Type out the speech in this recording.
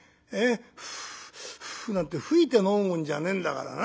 ふうふうなんて吹いて飲むもんじゃねえんだからな。